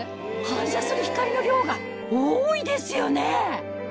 反射する光の量が多いですよね